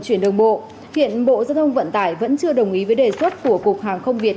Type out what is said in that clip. chuyển đường bộ hiện bộ giao thông vận tải vẫn chưa đồng ý với đề xuất của cục hàng không việt